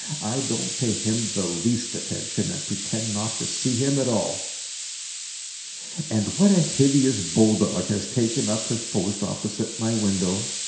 I don't pay him the least attention, and pretend not to see him at all. "And what a hideous bulldog has taken up his post opposite my window!